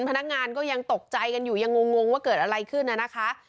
พนักงานก็ยังตกใจกันอยู่ยังงงว่าเกิดอะไรขึ้นน่ะนะคะ